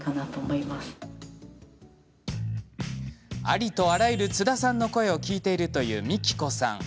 ありとあらゆる津田さんの声を聞いているという、みきこさん。